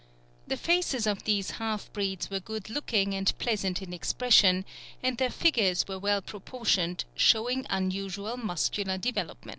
The faces of these half breeds were good looking and pleasant in expression, and their figures were well proportioned, showing unusual muscular development.